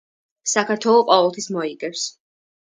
საქართველო ყოველთვის მოიგებს!